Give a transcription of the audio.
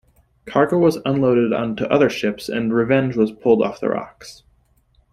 Cargo was unloaded onto other ships, and "Revenge" was pulled off the rocks.